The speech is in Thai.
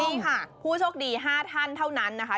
นี่ค่ะผู้โชคดี๕ท่านเท่านั้นนะคะ